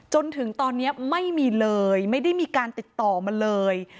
จนถึงตอนนี้ไม่มีเลยไม่ได้มีการติดต่อมาเลย